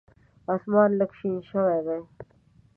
اسمان لږ شین شوی دی .